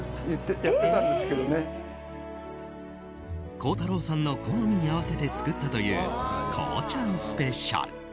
孝太郎さんの好みに合わせて作ったという孝ちゃんスペシャル。